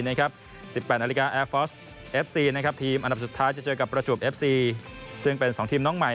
๑๘นาฬิกาแอร์ฟอสเอฟซีทีมอันดับสุดท้ายจะเจอกับประจวบเอฟซีซึ่งเป็น๒ทีมน้องใหม่